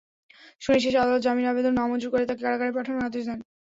শুনানি শেষে আদালত জামিন আবেদন নামঞ্জুর করে তাঁকে কারাগারে পাঠানোর আদেশ দেন।